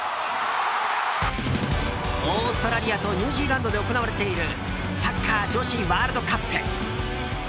オーストラリアとニュージーランドで行われているサッカー女子ワールドカップ。